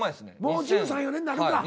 もう１３１４年なるか。